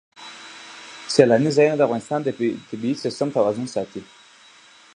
سیلانی ځایونه د افغانستان د طبعي سیسټم توازن ساتي.